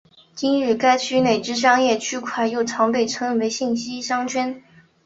今日该区内之商业区块又常被称为信义商圈。